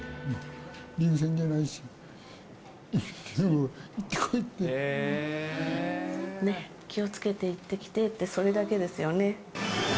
リーグ戦じゃないし、女房がね、気をつけて行ってきてって、それだけですよね。